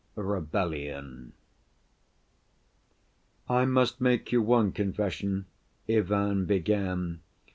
Rebellion "I must make you one confession," Ivan began.